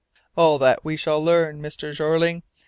"All that we shall learn, Mr. Jeorling.